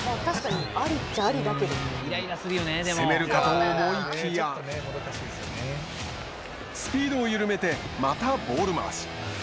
攻めるかと思いきやスピードを緩めてまたボール回し。